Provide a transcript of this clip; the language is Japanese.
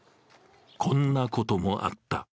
こんなこともあった。